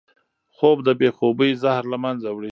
خوب د بې خوبۍ زهر له منځه وړي